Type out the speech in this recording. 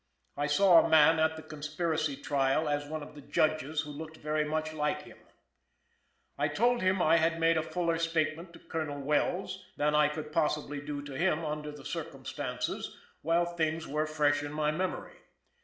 I saw a man at the conspiracy trial as one of the Judges who looked very much like him. I told him I had made a fuller statement to Colonel Wells than I could possibly do to him under the circumstances, while things were fresh in my memory.